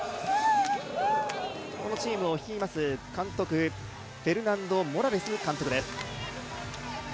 このチームを率いるフェルナンド・モラレス監督です。